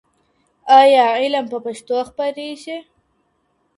ایا علم په پښتو خپرېږي؟